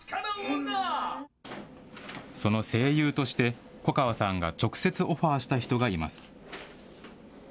その声優として、粉川さんが直接オファーした人がいます。